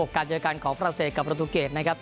การเจอกันของฝรั่งเศสกับประตูเกรดนะครับ